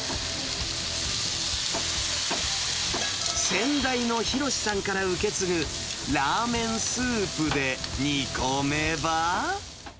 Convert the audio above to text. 先代の寛さんから受け継ぐラーメンスープで煮込めば。